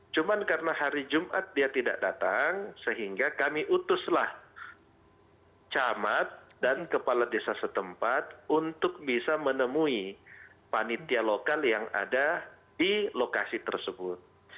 cuma karena hari jumat dia tidak datang sehingga kami utuslah camat dan kepala desa setempat untuk bisa menemui panitia lokal yang ada di lokasi tersebut